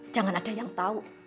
jangan ada yang tau